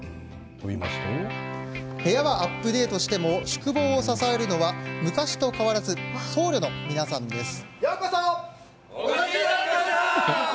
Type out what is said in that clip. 部屋はアップデートしても宿坊を支えるのは昔と変わらず僧侶の皆さんです。